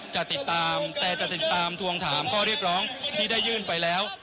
จะติดตามแต่จะติดตามทวงถามข้อเรียกร้องที่ได้ยื่นไปแล้ว